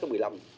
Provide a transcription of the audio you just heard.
cho nên là